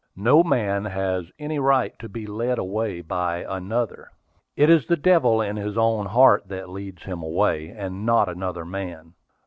"No man has any right to be led away by another. It is the devil in his own heart that leads him away, and not another man.